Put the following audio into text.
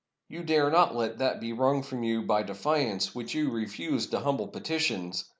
You dare not let that be wrung from you by defiance which you refused to hum ble petitions!